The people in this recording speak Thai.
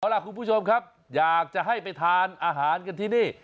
เอาล่ะคุณผู้ชมครับอยากจะให้ไปทานอาหารกันที่นี่